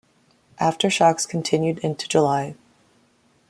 Aftershocks continued into July.